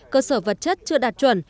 cơ sở vật chất chưa đạt chuẩn